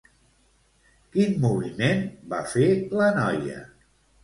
Quin moviment va fer la noia?